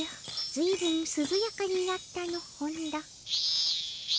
ずいぶんすずやかになったの本田。